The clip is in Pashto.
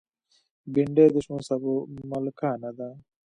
بېنډۍ د شنو سابو ملکانه ده